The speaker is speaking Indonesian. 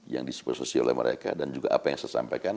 yang disposasi oleh mereka dan juga apa yang saya sampaikan